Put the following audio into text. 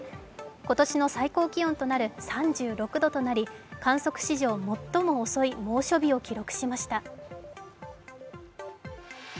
今年の最高気温となる３６度となり観測史上最も遅い猛暑日を記録しました。